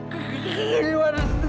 keluar dari sini